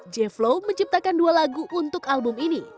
j flow menciptakan dua lagu untuk album ini